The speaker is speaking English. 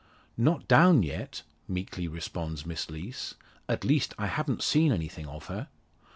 "Not down yet," meekly responds Miss Lees, "at least I haven't seen anything of her."